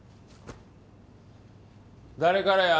誰からや？